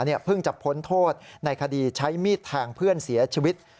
เพิ่งจะพ้นโทษในคดีใช้มีดแทงเพื่อนเสียชีวิต